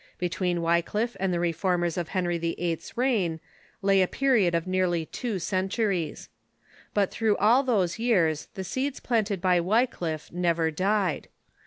Between Wycliffe and the Re formers of Henry VIII. 's reign lay a period of nearly two centuries. But through all those years the seeds planted by Wycliffe never died.